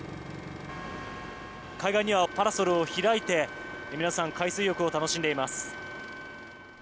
海岸にはパラソルを開いて皆さん海水浴を楽しんでいます。